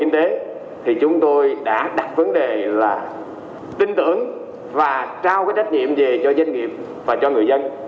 thì chúng tôi đã đặt vấn đề là tin tưởng và trao cái trách nhiệm về cho doanh nghiệp và cho người dân